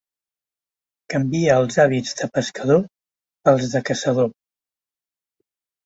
Canvia els hàbits de pescador pels de caçador.